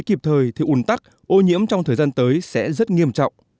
kịp thời thì ủn tắc ô nhiễm trong thời gian tới sẽ rất nghiêm trọng